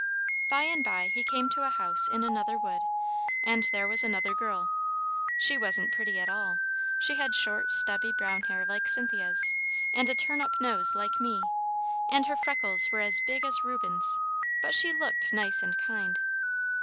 "By and by he came to a house in another wood, and there was another girl. She wasn't pretty at all. She had short stubby brown hair like Cynthia's, and a turn up nose like me, and her freckles were as big as Reuben's, but she looked nice and kind.